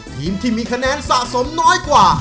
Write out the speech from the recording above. ทีมที่มีคะแนนสะสมน้อยกว่า